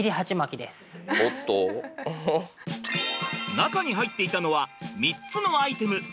中に入っていたのは３つのアイテム。